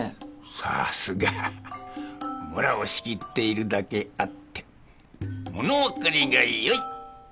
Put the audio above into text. さすが村を仕切っているだけあって物分かりがよい。